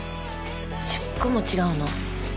１０個も違うの？